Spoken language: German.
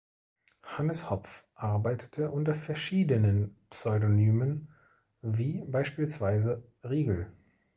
Hannes Hopf arbeitete unter verschiedenen Pseudonymen wie beispielsweise "Rigel".